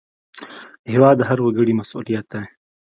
هېواد د هر وګړي مسوولیت دی.